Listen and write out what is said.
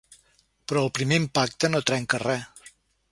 Però el primer impacte no trenca res.